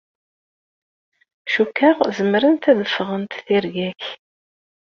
Cukkeɣ zemrent ad ffɣent tirga-k.